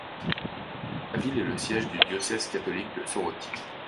La ville est le siège du diocèse catholique de Soroti.